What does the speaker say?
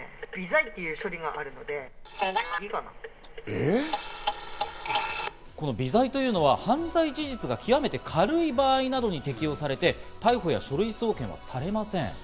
えっ？微罪というのは犯罪事実が極めて軽い場合などに適用されて逮捕や書類送検はされません。